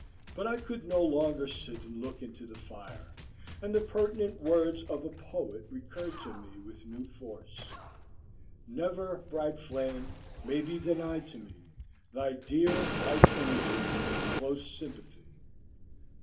But I could no longer sit and look into the fire, and the pertinent words of a poet recurred to me with new force.— "Never, bright flame, may be denied to me Thy dear, life imaging, close sympathy.